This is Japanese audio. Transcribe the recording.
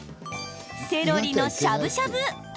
セロリのしゃぶしゃぶ。